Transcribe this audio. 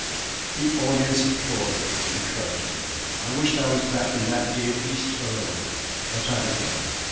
The audience applauded encouragingly, I wished I was back in that dear East Aurora. But I began.